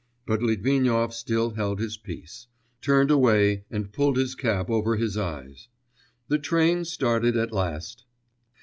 But Litvinov still held his peace, turned away, and pulled his cap over his eyes. The train started at last.